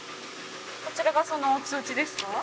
こちらがその通知ですか？